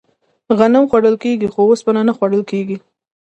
غنم خوړل کیږي خو اوسپنه نه خوړل کیږي.